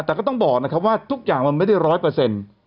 แต่ก็ต้องบอกนะครับว่าทุกอย่างมันไม่ได้ร้อยเปอร์เซ็นต์